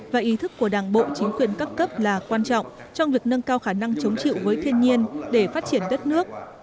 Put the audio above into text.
và ý thức của đảng bộ chính quyền các cấp là quan trọng trong việc nâng cao khả năng chống chịu với thiên nhiên để phát triển đất nước